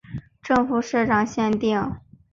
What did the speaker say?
正副社长限定